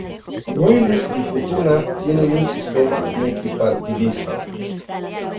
Wallis y Futuna tiene un sistema multipartidista.